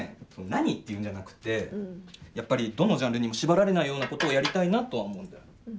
何っていうんじゃなくてやっぱりどのジャンルにも縛られないようなことをやりたいなとは思うんだよ。